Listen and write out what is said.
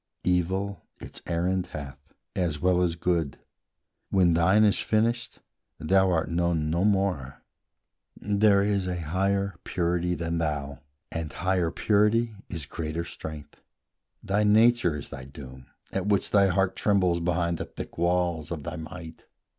Evil its errand hath, as well as Good; When thine is finished, thou art known no more: There is a higher purity than thou, And higher purity is greater strength; Thy nature is thy doom, at which thy heart Trembles behind the thick wall of thy might.